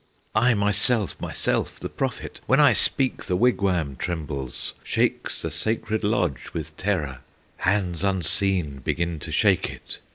"I myself, myself! the prophet! When I speak the wigwam trembles, Shakes the Sacred Lodge with terror, Hands unseen begin to shake it!